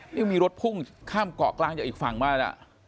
นี่มีรถพุ่งข้ามเกาะกลางจากอีกฝั่งมานะ